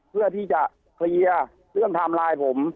เพื่อที่จะเคลียร์เรื่องไทม์ไลน์ผม